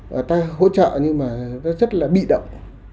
và ta hỗ trợ nhưng mà nó rất là bị động